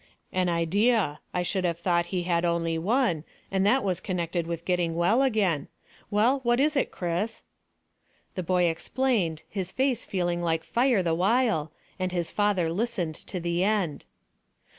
"An idea. I should have thought he had only one, and that was connected with getting well again. Well, what is it, Chris?" The boy explained, his face feeling like fire the while, and his father listened to the end.